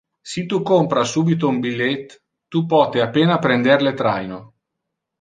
Si tu compra subito un billet, tu pote a pena prender le traino.